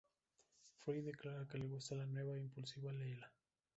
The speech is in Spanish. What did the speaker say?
Fry declara que le gusta la nueva e impulsiva Leela.